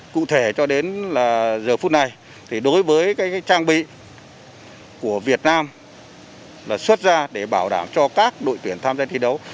cụ thể cho đến giờ phút này thì đối với trang bị của việt nam là xuất ra để bảo đảm cho các đội tuyển tham gia thi đấu